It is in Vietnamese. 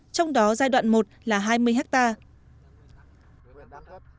trong đó giai đoạn một là hai mươi hectare